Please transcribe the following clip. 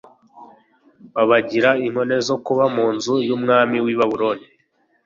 babagire inkone zo kuba mu nzu y'umwami w'i babuloni